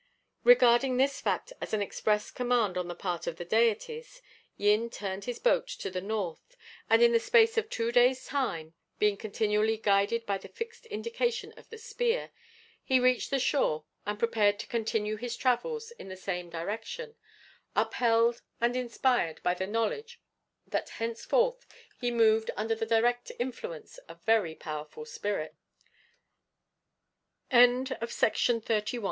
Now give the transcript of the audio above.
Regarding this fact as an express command on the part of the Deities, Yin turned his boat to the north, and in the space of two days' time being continually guided by the fixed indication of the spear he reached the shore and prepared to continue his travels in the same direction, upheld and inspired by the knowledge that henceforth he moved under the direct influence of very powerful spirits. IX. THE ILL REGULATED DESTI